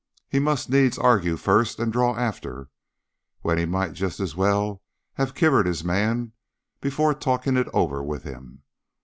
He must needs argue first and draw after, when he might just as well have kivered his man before talkin' it over with him."